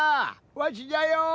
わしじゃよ！